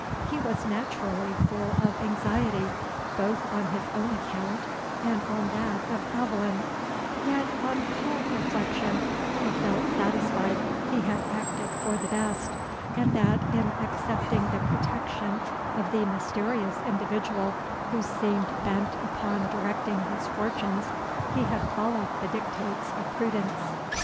He was naturally full of anxiety, both on his own account, and on that of Aveline; yet, on calm reflection, he felt satisfied he had acted for the best, and that, in accepting the protection of the mysterious individual who seemed bent upon directing his fortunes, he had followed the dictates of prudence.